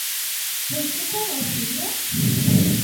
Por que tan axiña?